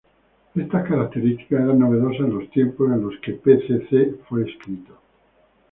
Estas características eran novedosas en los tiempos en los que pcc fue escrito.